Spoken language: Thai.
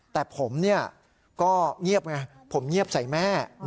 แต่ผมก็เงียบไงผมเงียบใส่แม่